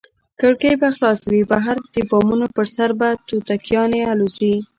کړکۍ به خلاصې وي، بهر د بامونو پر سر به توتکیانې الوزي.